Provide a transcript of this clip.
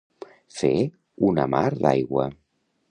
Fet una mar d'aigua.